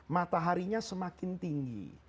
mataharinya semakin tinggi